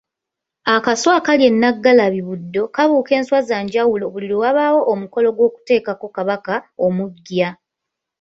Akaswa akali e Nnaggalabi Buddo kabuuka enswa za njawulo buli lwe wabaawo omukolo gwokutekako kabaka omuggya.